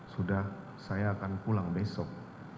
sudah saya akan pulang besok